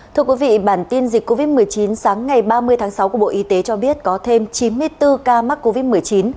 thưa quý vị bản tin dịch covid một mươi chín sáng ngày ba mươi tháng sáu của bộ y tế cho biết có thêm chín mươi bốn ca mắc covid một mươi chín